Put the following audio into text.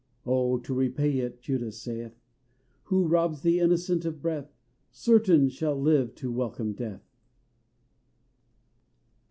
'Oh to repay it,' Judas saith: Who robs the innocent of breath, Certain shall live to welcome death.